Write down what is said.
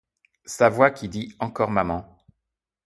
Sa voix qui dit encor maman